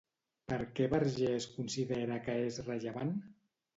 Per què Vergés considera que és rellevant?